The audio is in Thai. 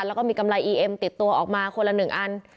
แล้วก็มีกำไรอีเอ็มติดตัวออกมาคนละ๑อัน